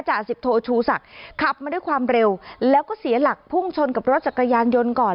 จ่าสิบโทชูศักดิ์ขับมาด้วยความเร็วแล้วก็เสียหลักพุ่งชนกับรถจักรยานยนต์ก่อน